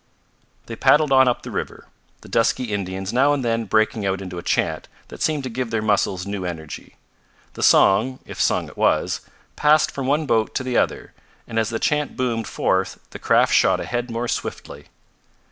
They paddled on up the river, the dusky Indians now and then breaking out into a chant that seemed to give their muscles new energy. The song, if song it was, passed from one boat to the other, and as the chant boomed forth the craft shot ahead more swiftly.